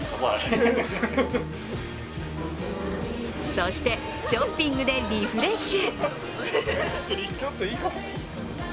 そしてショッピングでリフレッシュ。